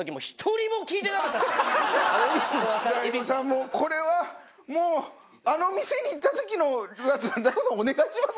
もうこれはもうあの店に行った時のやつなんで大悟さんお願いします。